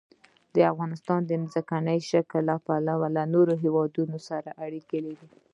افغانستان د ځمکنی شکل له پلوه له نورو هېوادونو سره اړیکې لري.